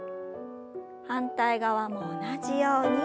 反対側も同じように。